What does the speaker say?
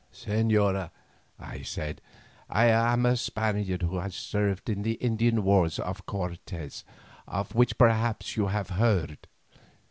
"Señora," I said, "I am a Spaniard who served in the Indian wars of Cortes, of which perhaps you have heard."